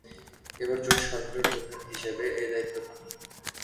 এবার জোট সরকারের প্রধান হিসেবে এ দায়িত্ব পান।